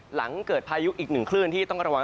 หลังเกิดพายุอีกหนึ่งคลื่นที่ต้องระวัง